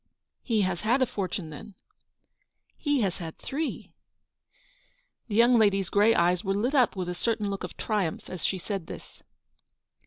"He has had a fortune, then ?"" He has had three." The young lady's grey eyes were lit up with a certain look of triumph as she said this.